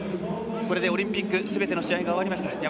これでオリンピックすべての試合が終わりました。